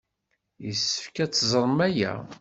Yessefk ad teẓrem aya.